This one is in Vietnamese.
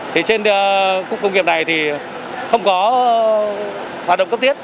thì trên cụ công nghiệp này thì không có hoạt động cấp thiết